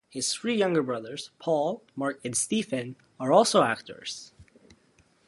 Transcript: His three younger brothers - Paul, Mark and Stephen - are also actors.